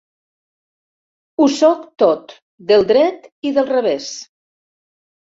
Ho sóc tot, del dret i del revés.